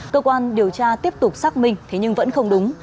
cơ quan điều tra tiếp tục xác minh thế nhưng vẫn không đúng